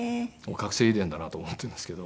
隔世遺伝だなと思ってるんですけど。